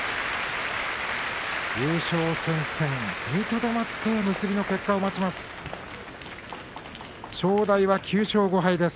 優勝戦線踏みとどまって結びの結果を待ちます。